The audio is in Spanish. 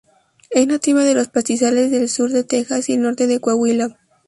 Es nativa de los pastizales del sur de Texas y el norte de Coahuila.